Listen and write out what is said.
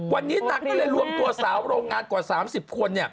วันนี้นางก็เลยรวมตัวสาวโรงงานกว่า๓๐คน